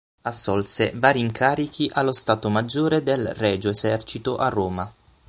Assolse vari incarichi allo Stato maggiore del Regio Esercito a Roma.